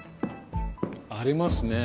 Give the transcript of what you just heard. ありますね。